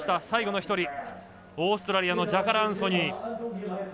最後の１人、オーストラリアのジャカラ・アンソニー。